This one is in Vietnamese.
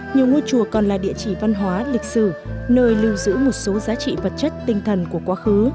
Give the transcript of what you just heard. nhiều ngôi chùa còn là địa chỉ văn hóa lịch sử nơi lưu giữ một số giá trị vật chất tinh thần của quá khứ